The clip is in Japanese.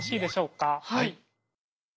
はい。